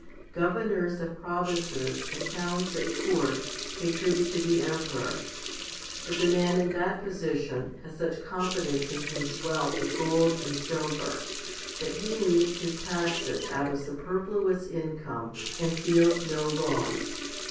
Governors of pro vinces and counts at court pay tribute to the 'emperor ; but the man in that position has such confidence in his wealth of gold and silver that he meets his taxes out of super fluous income, and feels no loss.